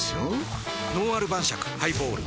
「のんある晩酌ハイボール」